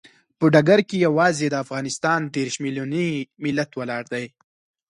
په ډګر کې یوازې د افغانستان دیرش ملیوني ملت ولاړ دی.